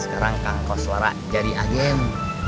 sekarang kang koswara jadi agen